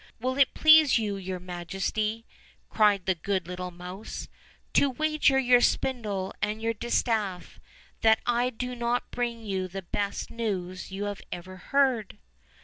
"Will it please your majesty," cried the good little mouse, "to wager your spindle and your distaff, that I do not bring you the best news you ever heard?"